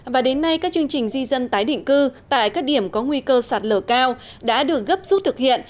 và đến nay các chương trình di dân tái định cư tại các điểm có nguy cơ sạt lở cao đã được gấp rút thực hiện